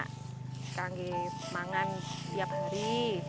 kita makan setiap hari